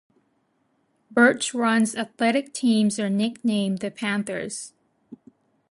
Birch Run's athletic teams are nicknamed the Panthers.